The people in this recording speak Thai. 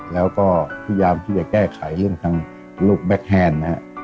แล้วก็พยายามที่จะแก้ไขเรื่องทางลูกแก๊คแฮนด์นะฮะ